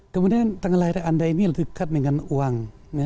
kemudian tengah lahir anda ini lebih dekat dengan uang